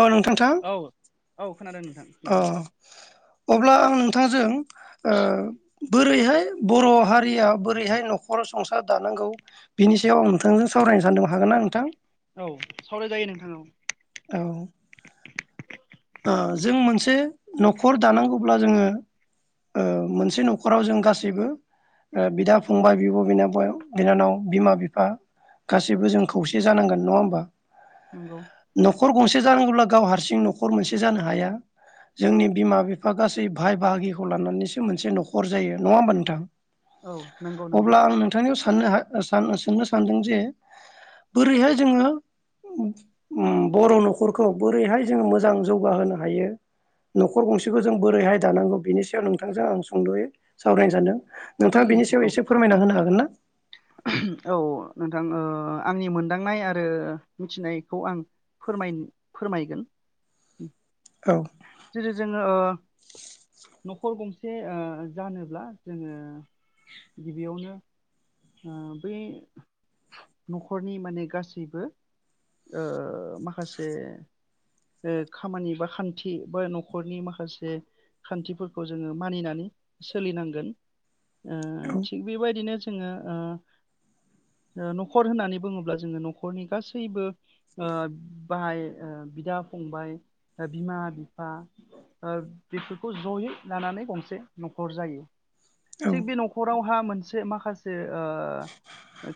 अ नोंथां-थां। औ औ खोनादों नोंथां अ खोनादों अब्ला आं नोंथांजों ओ। बोरैहाय बर' हारिया बोरैहाय न'खर संसार दानांगौ बिनि सायाव आं नोंथांजों सावरायनो सानदों हागोन ना नोंथां? औ सावरायजायो नोंथां औ। औ। अ जों मोनसे न'खर दानांगौब्ला जोङो ओ मोनसे न'खराव जों गासैबो ओ बिदा-फंबाइ, बिब'-बिनानाव, बिमा-बिफा गासैबो जों खौसे जानांगोन नङा होमबा? नंगौ न'खर गंसे। जानांगौब्ला गाव हारसिं नखर। नखर मोनसे जानो हाया जोंनि बिमा-बिफा गासै भाय बाहागिखौ लानानैसो मोनसे न'खर जायो नङा होमबा नोंथां? औ नंगौ नंगौ अब्ला आं नोंथांनियाव साननो हा। आं सोंनो सानदों जे बोरैहाय जोङो ओम बर' न'खरखौ बोरैहाय जोङो मो। मोजां जौगाहोनो हायो न'खर गंसेखौ जों बोरैहाय दानांगौ बेनि सायाव नोंथांजों आं सुंद'यै सावरायनो सानदों। नोंथाङा बिनि सायाव औ एसे फोरमायना होनो हागोन ना? औ नोंथां ओ आंनि मोनदांनाय आरो मिथिनायखौ आं फोराय फोरमायगोन। औ जेरै जोङो। न'खर गंसे ओ जानोब्ला जोङो। गिबियावनो। ओ बै न'खरनि माने गासैबो ओ माखासे खामानि बा खान्थि बा न'खरनि माखासे खान्थिफोरखौ जोङो मानिनानै सोलिनांगोन। ओ औ थिग बेबायदिनो। जोङो। ओ न'खर होननानै बुङोब्ला जोङो न'खरनि गासैबो ओ बाहाय, बिदा- फंबाइ, बिमा-बिफा ओ बेफोरखौ जयै लानानै गंसे न'खर जायो। औ थिग बे न'खराव। मा मोनसे माखासे। ओ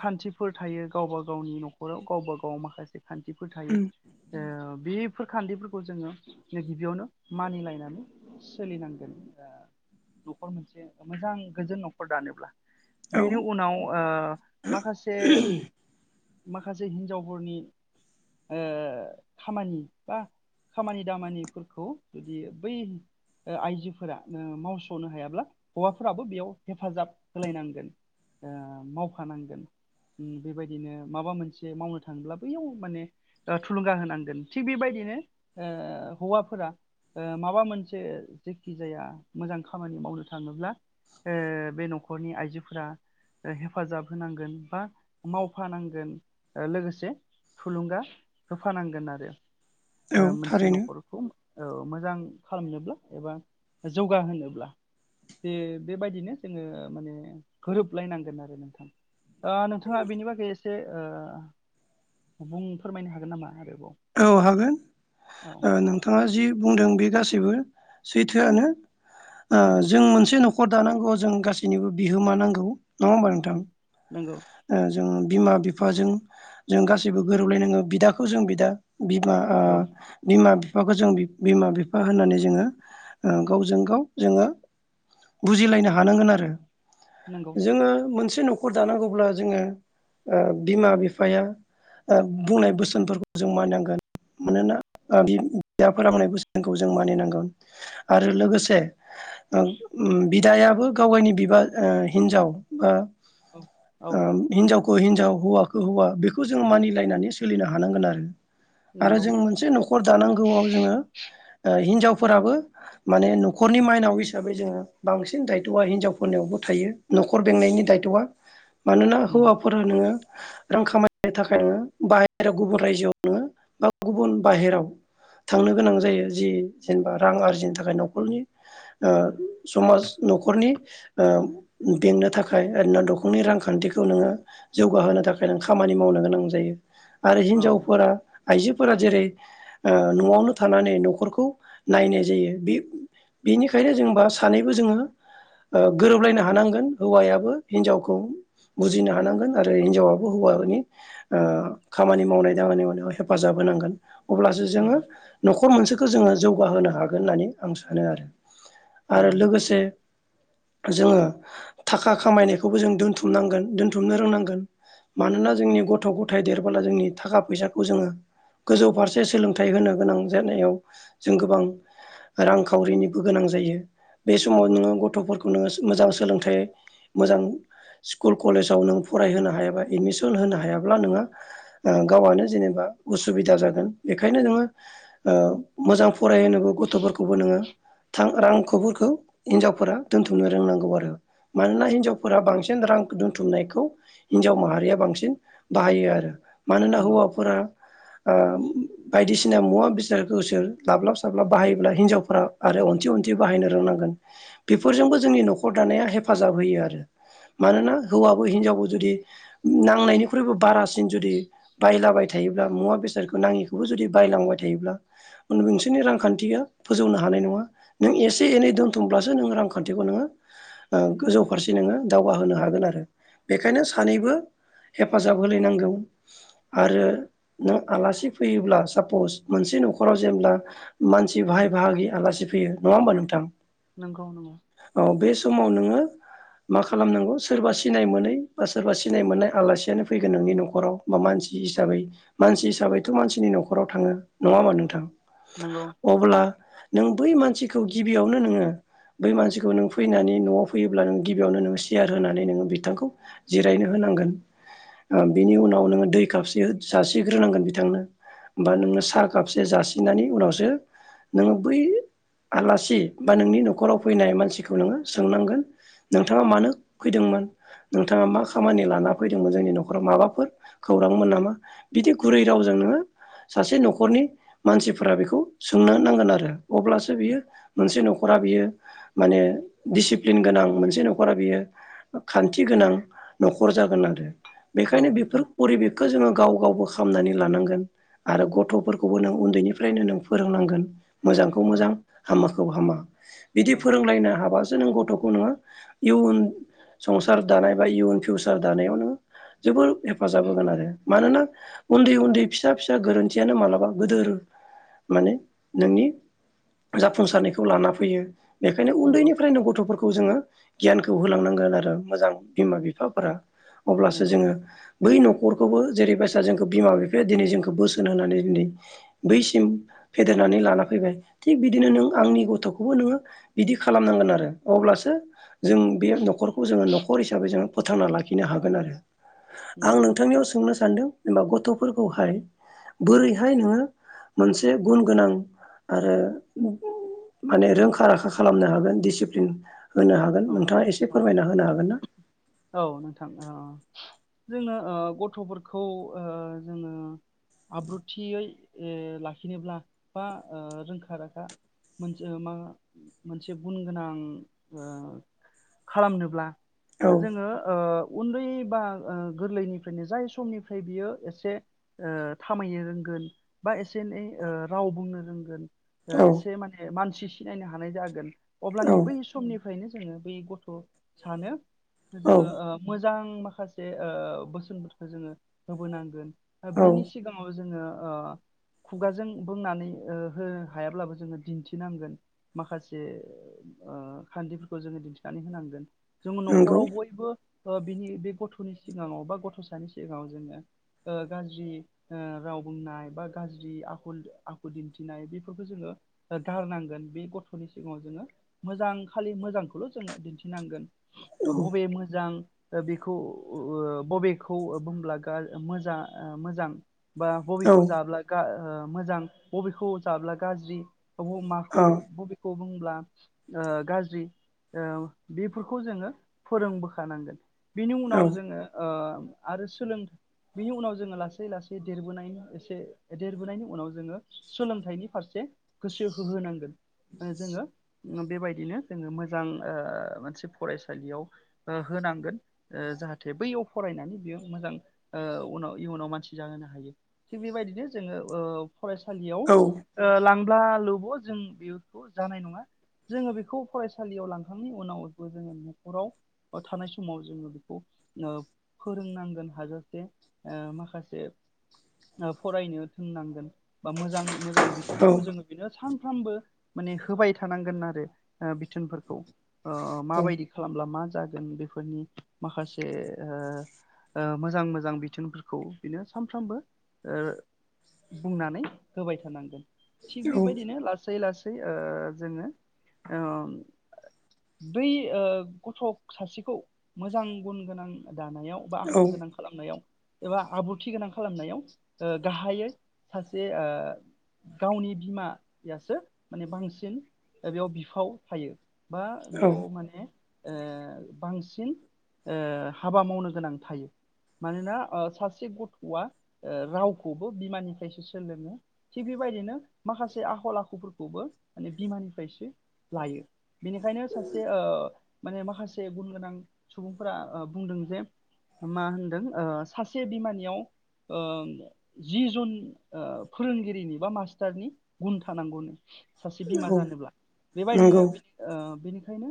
खान्थिफोर थायो गावबा गावनि न'खराव गावबा गाव माखासे। खान्थिफोर थायो उम ओ बे। बेफोर खान्दिफोरखौ जोङो गिबियावनो मानिलायनानै सोलिनांगोन न'खर मोनसे मोजां गोजोन न'खर दानोब्ला। औ बेनि उनाव ओ माखासे। माखासे हिन्जावफोरनि ओ खामानि बा खामानि दामानिफोरखौ जुदि बै ओ आइजोफोरा मावस'नो हायाब्ला हौवाफोराबो बेयाव हेफाजाब होलायनांगोन। ओ मावफानांगोन बेबायदिनो माबा मोनसे मावनो थाङोब्ला बैयाव माने थुलुंगा होनांगोन थिग बेबायदिनो ओ हौवाफोरा माबा मोनसे जेखि जाया मोजां खामानि मावनो थाङोब्ला ओ बे न'खरनि आइजोफोरा। हेफाजाब होनांगोन बा मावफानांगोन लोगोसे थुलुंगा होफानांगोन आरो। औ मोनसे थारैनो न'खरखौ औ मोजां खालामनोब्ला एबा जौगाहोनोब्ला बे बेबायदिनो जोङो माने गोरोबलायनांगोन आरो नोंथां ओ नोंथाङा बेनि बागै एसे ओ बुं फोरमायनो हागोन नामा आरो? औ हागोन ओ नोंथाङा जि बुंदों बे गासैबो सैथोआनो। ओ नंगौ जों मोनसे न'खर दानांगौ जों गास सिनिबो बिहोमा नांगौ। नङा होमबा? नोंथां नंगौ जों बिमा बिफाजों जों गासैबो गोरोबलायनाङो बिदाखौ जों बिदा बिमा ओ औ बिमा-बि फाखौ जों बिमा-बिफा होननानै जोङो गावजों ओ गाव जोङो बुजिलायनो हानांगोन आरो। नंगौ जोङो मोनसे न'खर दानांगौब्ला जोङो ओ बिमा बिफाया ओ बुंनाय बोसोनफोरखौ जों मानिनां गोन‌ मानोना बिदा फोरोंनाय बोसोनखौ जों मानिनांगौ आरो लोगोसे उम बिदायाबो गावगायनि बिबा ओ हिनजाव बा औ औ ओं हिनजावखौ हिनजाव हौवाखौ हौवा बेखौ जोंङो मानिलायनानै सोलिनो हानांगोन आरो। आरो नंगौ जों मोनसे न'खर दानांगौआव जोङो हिनजावफोराबो माने न'खरनि माइनाव हिसाबै जोङो बांसिन दायथ'आ हिनजावफोरनियावबो थायो न'खर बेंनायनि दायथ'आ। मानोना नंगौ हौवाफोरा नोङो रां खामायनो थाखाय नोङो बाहेरायाव गुबुन रायजोआव नोङो बा गुबुन बाहेराव थांनो गोनां जायो जि जेनबा रां आरजिनो थाखाय न'खरनि ओ समाज न'खरनि ओ बेंनो थाखाय आरैनो न'खरनि रांखान्थिखौ नोङो जौगाहोनो थाखाय नों खामानि मावनो गोनां जायो। आरो औ हिनजाव आइजोफोरा जेरै ओ न'आवनो थानानै न'खरखौ नायनाय जायो बे बेनिखायनो जेनबा सानैबो जोङो ओ गोरोबलायनो हानांगोन हौवायाबो हिनजावखौ बुजिनो हानांगोन आरो हिनजावाबो हौवानि ओ खामानि मावनाय मावनायाव हेफाजाब होनांगोन। अब्लासो जोङो नंगौ न'खर मोनसेखौ खौ जोङो जौगाहोनो हागोन होननानै आं सानो आरो। आरो नंगौ लोगोसे जोङो थाखा खामायनायखौबो जों दोनथुमनांगोन दोनथुमनो रोंनांगोन मानोना जोंनि गथ'-गथाय देरबोला जोंनि थाखा फैसाखौ जोङो गोजौ फारसे सोलोंथाइ होनो गोनां जानायाव जों गोबां रांखावरिनिबो गोनां जायो। बे समाव नोङो गथ'फोरखौ नोङो मोजां सोलोंथाइ मोजां स्कुल कलेजाव नों फरायहोनो हायाबा एडमिसन होनो हायाब्ला नोङो गावआनो जेनेबा उसुबिदा जागोन बेखायनो नोङो ओ मोजां फरायहोनांगौ गथ'फोरखौबो नोङो थां रांखौफोरखौ हिनजावफोरा दोनथुमनो रोंनांगौ आरो मानोना हिनजावफोरा बांसिन रां दोनथुमनायखौ हिनजाव माहारिया बांसिन बाहायो आरो। मानोना नंगौ हौवाफोरा ओ बायदिसिना मुवा बेसादखौसोर लाब्लाब साब्लाब बाहायोब्ला हिनजावफ्रा आरो अनथि अनथि बाहायनो रोंनांगोन बेफोरजोंबो जोंनि न'खर दानाया हेफाजाब होयो आरो मानोना हौवाबो हिनजावबो जुदि नांनायनिख्रुइबो बारासिन जुदि बायलाबाय थायोब्ला मुवा बेसादखौ नाङिखौबो जुदि बायलांबाय थायोब्ला नोंसोरनि रांखान्थिया फोजौनो हानाय नङा नों एसे एनै दोनथुमब्लासो नोङो रांखान्थिखौ नोङो ओ गोजौ फारसे नोङो दावगाहोनो हागोन आरो बेखायनो सानैबो हेफाजाब होलायनांगौ। आरो नों आलासि फैयोब्ला सापस मोनसे न'खराव जेब्ला मानसि बाहाय बाहागि आलासि फैयो नङा होमबा नोंथां? नंगौ औ बे समाव नोङो मा खालामनांगौ सोरबा सिनाय मोनै बा सोरबा सिनाय मोननाय आलासियानो फैगोन नोंनि न'खराव बा मानसि हिसाबै मानसि हिसाबैथ' मानसिनि न'खराव थाङो नङा होमा नोंथां नंगौ नंगौ अब्ला नों बै मानसिखौ गिबियावनो नोङो बै मानसिखौ नों फैनानै न'आव फैयोब्ला नों गिबियावनो नों सेयार होनानै नोङो बिथांखौ जिरायनो होनांगोन बिनि उनाव दै खापसे जासिग्रोनांगोन बिथांनो बा नोङो साहा कापसे जासिनानै उनावसो नों बै आलासि बा नोंनि न'खराव फैनाय मानसिखौ नोङो सोंनांगोन नोंथाङा मानो फैदोंमोन नोंथाङा मा खामानि लाना फैदोंमोन जोंनि न'खराव माबाफोर खौरांमोन नामा बिदि गुरै रावजों नोङो सासे न'खरनि मानसिफोरा बेखौ सोंनो नांगोन आरो। अब्लासो बियो मोनसे न'खरा बियो माने दिसिप्लिन गोनां मोनसे न'खरा बियो खान्थि गोनां न'खर जागोनां। औ बेखायनो बेफोर परिबेखखौ जोङो गाव गावबो खामनानै लानांगोन आरो गथ'फोरखौबो नों उन्दैनिफ्रायनो नों फोरोंनांगोन। मोजांखौ नंगौ मोजां हामाखौ हामा बिदि औ फोरोंलायनो हाबासो नों गथ' संसार दानाय बा इउन फिउचार दानायाव नोङो जोबोर हेफाजाब होगोन आरो मानोना उन्दै उन्दै फिसा फिसा गोरोन्थियानो मालाबा गोदोर माने नोंनि जाफुंसारनायखौ लाना फैयो बेखायनो नंगौ उन्दैनिफ्रायनो गथ'फोरखौ जोङो गियानखौ होलांनांगोन आरो मोजां बिमा बिफाफोरा अब्लासो नंगौ जोङो बै न'खरखौबो जेरैबायसा जोंखौ बिमा बिफाया दिनै जोंखौ बोसोन होनानै दिनै बैसिम फेदेरनानै लाना फैबाय थिग बिदिनो नों आंनि गथ'खौबो नोङो बिदि खालामनांगोन आरो अब्लासो जों बे न'खरखौ जोङो न'खर हिसाबै जो फोथांना लाखिनो हागोन आरो आं नंगौ नोंथांनियाव सोंनो सान्दों लाव गथ'फोरखौहाय औ बोरैहाय नोङो मोनसे गुन गोनां आरो माने रोंखा राखा खालामनो हागोन दिसिप्लिन होनो हागोन औ नोंथाङा एसे औ फोरमायना होनो हागोनना? औ नोंथां औ जोङो ओ गथ'फोरखौ ओ जोङो आब्रुथियै ओ लाखिनोब्ला बा ओ रोंखा राखा मोनसे मा मोनसे गुन गोनां ओ खालामनोब्ला औ जोङो ओ उन्दै बा ओ गोरलैनिफ्रायनो जाय समनिफ्राय बियो एसे ओ थामायनो रोंगोन बा एसे एनै ओ राव बुंनो रोंगोन ओ औ एसे माने मानसिस सिनायनो हानाय जागोन औ अब्लानि बै स फायनो जोङो बै गथ' सानो औ जोङो ओ मोज जां माखासे ओ बोसोनफोरखौ जोङो होबोनांगोन आ औ बिनि सिगाङाव जोङो ओ खुगाजों बुंनानै ओ हो हायाब्लाबो जोङो दिन्थिनांगोन माखासे ओ खान्थिफोरखौ जोङो दिन्थिनानै होनांगोन जोङो नंगौ न'खराव बयबो ओ बिनि बे गथ'नि सिगाङाव बा गथ'सानि सिगाङाव जोङो ओ गाज्रि ओ राव बुंनाय बा गाज्रि आखल द आखु दिन्थिनाय बिफोरखौ जोङो गारनांगोन बि गथ'नि सिगाङाव जोङो मोजां खालि मोजांखौल' जोङो दिन्थिनांगोन ओ औ बबे मोजां ओ बिखौ उ ओ बबेखौ ओ बुंब्ला गा ओ मोजा आ मोजां बा औ बबेखौ जाब्ला गा ओ ओ मोजां बबेखौ जाब्ला गाज्रि अब माखौ अ बबेखौ बुंब्ला ओ गाज ज्रि ओ बेफोरखौ जोङो फोरोंबोखानांगोन बिनि औ उनाव जोङो ओ आरो सोलों बिनि उनाव जोङो लासै लासै देरबोनायनि एसे देरबोनायनि उनाव जोङो सोलोंथाइनि फारसे गोसो होहोनांगोन ओ जोङो बेबायदिनो जोङो मोजां ओ मोनसे फरायसालियाव ओ होनांगोन ओ जाहाथे बैयाव फरायनानै बेयो मोजां ओ उनाव इयुनाव मानसि जाहोनो हायो थिग बेबायदिनो जोङो ओ फरायसालियाव औ ओ लां ब्ला लोब' जों बेखौ जानाय नङा जोङो बेखौ फरायसालियाव लांखांनायनि उनावबो जोङो न'खराव थानाय समाव जोङो बेखौ ओ फोरोंनांगोन हाजासे ओ माखासे ओ फरायनो थोननांगोन। बा मोजां -मोजां बिथोनखौ जोङो बिनो सान फ्रामबो माने होबाय थानांगोन आरो ओ बिथोनफोरखौ। ओ औ माबायदि खालामब्ला मा जागोन बेफोरनि माखासे ओ ओ मोजां -मोजां बिथोनफोरखौ बिनो सानफ्रामबो ओ बुंनानै होबाय थानांगोन। थिग बेबायदिनो लासै- लासै ओ जोङो ओ बै ओ गथ' सासेखौ मोजां गुन गोनां दानायाव बा औ आखल गोनां खालामनायाव एबा आब्रुथि गोनां खालामनायाव गाहायै ओ सासे ओ गावनि बिमायासो माने बांसिन बेयाव बि फाव थायो। बा औ बेयाव माने ओ बांसिन ओ हाबा मावनो गोनां थायो मानोना ओ सासे गथ'आ रावखौबो बिमानिफ्रायसो सोलोङो थिग बेबायदिनो माखासे आखल- आखुफोरखौबो माने बिमानिफ्रायसो लायो बेनिखायनो सासे ओ माने माखासे गुन गोनां सुबुंफोरा बुंदों जे मा होनदों ओ सासे बिमानियाव ओ जि जन ओ फोरोंगिरिनि बा मास्टारनि गुन थानांगौनो। सासे बिमा औ जानोब्ला। बेबायदिनो नंगौ ओ बेनिखायनो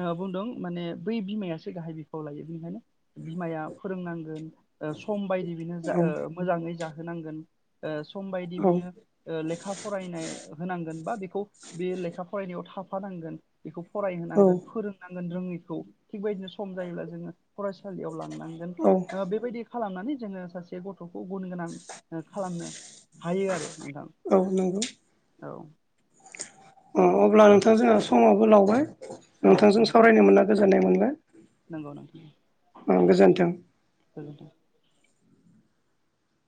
ओ बुंदों माने बै बिमायासो गाहाय बिफाव लायो बिनिखायनो बिमाया फोरोंनांगोन। ओ सम बायदि बिनो जा औ मोजाङै जा होनांगोन। सम बायदि औ बिनो ओ लेखा फरायनाय होनांगोन बा बेखौ बे लेखा थाफानांगोन। बेखौ औ फरायहोनांगोन फोरोंनांगोन रोङै औ। थिगबायदिनो सम जायोब्ला जोङो फरायसालियाव लांनांगोन बेबायदि खालामनानै जोङो सासे गथ'खौ गुन गोनां खालामनो हायो आरो नोंथां औ नंगौ औ। अ अब्ला नोंथां जोंहा समाबो लावबाय। औ नोंथांजों नोंथां दे सावरायनो मोनना गोजोननाय मोनबाय नंगौ नोंथां औ गोजोन्थों। गोजोन्थों